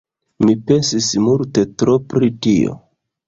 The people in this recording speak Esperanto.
Mi pensis multe tro pri tio.